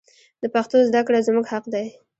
د پښتو زده کړه زموږ حق دی.